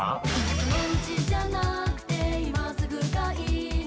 「そのうちじゃなくて今すぐがいいの」